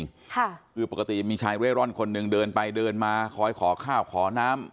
ค่ะคือปกติมีชายเร่ร่อนคนหนึ่งเดินไปเดินมาคอยขอข้าวขอน้ำ